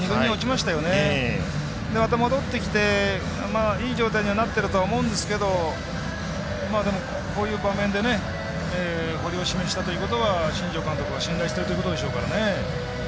また戻ってきて、いい状態にはなってるとは思うんですがでもこういう場面で堀を指名したということは新庄監督は信頼してるということでしょうからね。